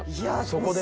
そこで。